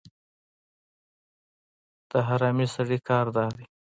د حرامي سړي کار دا دی.